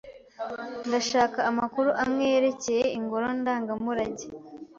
Ndashaka amakuru amwe yerekeye ingoro ndangamurage